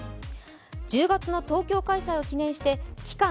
１０月の東京開催を記念して期間